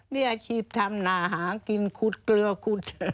มีอาชีพทำนาหากินขุดเกลือขุด